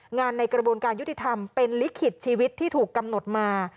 ในกระบวนการยุติธรรมเป็นลิขิตชีวิตที่ถูกกำหนดมา